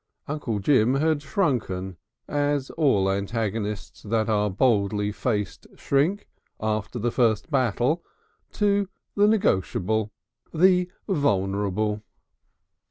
Uncle Jim had shrunken, as all antagonists that are boldly faced shrink, after the first battle, to the negotiable, the vulnerable.